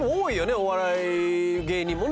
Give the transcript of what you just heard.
お笑い芸人もね